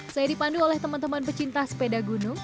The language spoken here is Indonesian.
saya dipandu oleh teman teman pecinta sepeda gunung